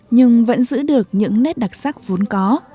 nhưng vẫn giữ được những nét đặc sắc vốn có